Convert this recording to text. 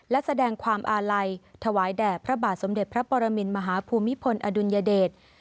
และแสดงความอาลัยถวายแด่พระบาทสมเด็จพระปรมินมหาภูมิพลอดุลยเดช